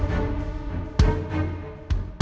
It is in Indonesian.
aku mau kejari putri sekarang